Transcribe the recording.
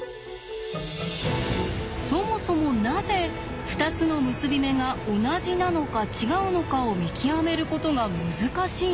そもそもなぜ２つの結び目が同じなのか違うのかを見極めることが難しいのか？